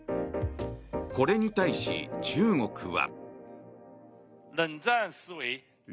これに対し、中国は。